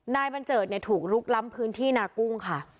นายบัญเจิดเนี่ยถูกลุกล้ำพื้นที่นากุ้งค่ะ